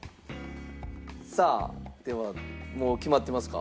さあではもう決まってますか？